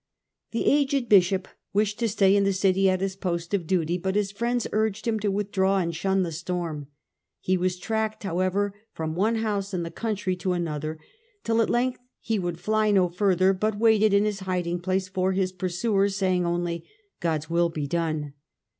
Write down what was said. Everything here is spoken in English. ^ The aged bishop wished to stay in the city at his post of duty, but his friends urged him to withdraw and shun the storm. He was tracked, however, from one house in the country to another, till at length he would fly no further, but waited in his hiding place for his pursuers, saying only ' God^s will be done.